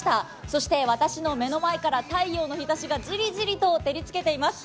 そして私の目の前から太陽の日ざしがじりじりと照りつけています。